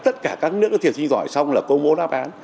tất cả các nước thiểu sinh giỏi xong là công bố đáp án